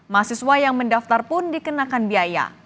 mahasiswa yang mendaftar pun dikenakan biaya